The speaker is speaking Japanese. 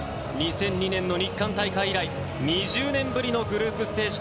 ２００２年の日韓大会以来２０年ぶりのグループステージ